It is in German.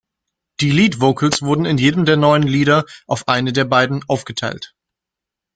Die Lead Vocals wurden in jedem der neun Lieder auf eine der beiden aufgeteilt.